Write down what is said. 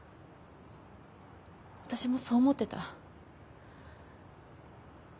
私もそう思ってた。